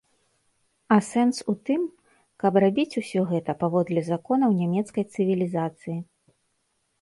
А сэнс у тым, каб рабіць усё гэта паводле законаў нямецкай цывілізацыі.